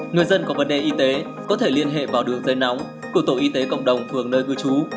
người dân có vấn đề y tế có thể liên hệ vào đường dây nóng của tổ y tế cộng đồng phường nơi cư trú